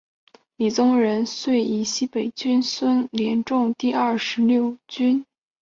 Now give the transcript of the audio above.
李宗仁遂以西北军孙连仲第二十六路军在徐州以北的台儿庄与日军反复争夺。